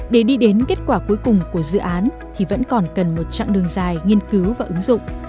để đi đến kết quả cuối cùng của dự án thì vẫn còn cần một chặng đường dài nghiên cứu và ứng dụng